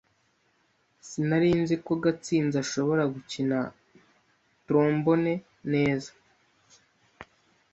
Sinari nzi ko Gatsinzi ashobora gukina trombone neza.